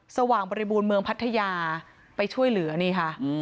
สว่างบริบูรณ์เมืองพัทยาไปช่วยเหลือนี่ค่ะ